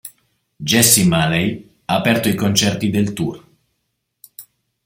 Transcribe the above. Jessi Malay ha aperto i concerti del tour.